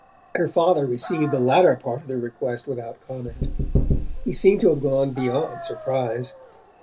Her father received the latter part of the request without comment: he seemed to have gone beyond surprise.